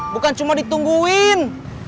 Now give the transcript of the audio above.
bukan cuma ditungguin